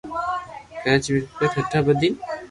ڪراچي ۔ ميرپورخاص ۔ ٺھٺہ ۔ بدين